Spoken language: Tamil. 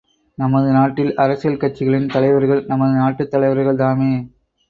நமது நாட்டில் அரசியல் கட்சிகளின் தலைவர்கள் நமது நாட்டுத் தலைவர்கள் தாமே!